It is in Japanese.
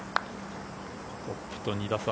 トップと２打差。